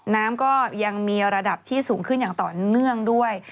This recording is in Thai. น้ำก็ยังมีระดับที่สูงขึ้นอย่างต่อเนื่องด้วย